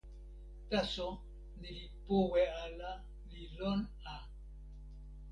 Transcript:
taso ni li powe ala, li lon a.